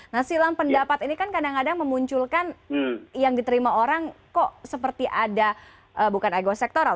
nah silang pendapat ini kan kadang kadang memunculkan yang diterima orang kok seperti ada bukan ego sektoral